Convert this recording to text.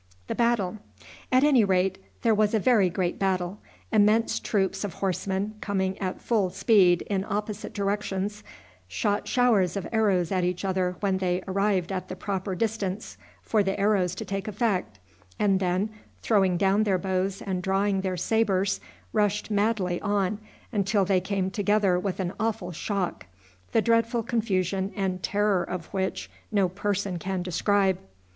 At any rate, there was a very great battle. Immense troops of horsemen coming at full speed in opposite directions shot showers of arrows at each other when they arrived at the proper distance for the arrows to take effect, and then, throwing down their bows and drawing their sabres, rushed madly on, until they came together with an awful shock, the dreadful confusion and terror of which no person can describe.